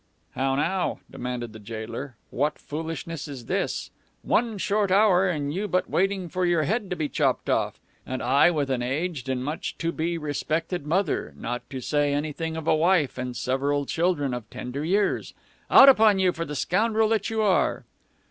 "How now?" demanded the jailer. "What foolishness is this? One short hour, and you but waiting for your head to be chopped off! And I, with an aged and much to be respected mother, not to say anything of a wife and several children of tender years! Out upon you for the scoundrel that you are!"